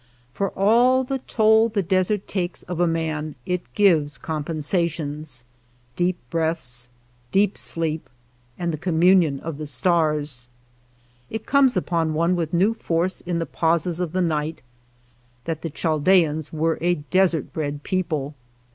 For all the toll the desert :takes of aman it gives compensations, deep breaths, deep sleep, and the communion of the stars. It comes upon one with new force in the pauses of the night that the Chaldeans were a desert bred people.